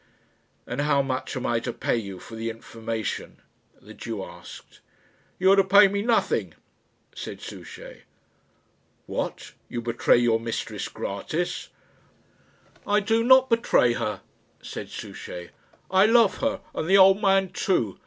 "And how much am I to pay you for the information?" the Jew asked. "You are to pay me nothing," said Souchey. "What! you betray your mistress gratis?" "I do not betray her," said Souchey. "I love her and the old man too.